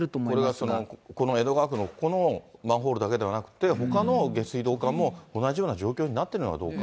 これが、この江戸川区のこのマンホールだけではなくて、ほかの下水道管も同じような状況になっているのかどうか。